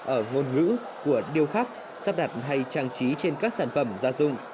ở ngôn ngữ của điêu khắc sắp đặt hay trang trí trên các sản phẩm gia dụng